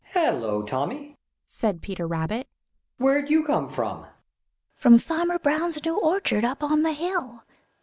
"Hello, Tommy!" said Peter Rabbit. "Where'd you come from?" "From Farmer Brown's new orchard up on the hill.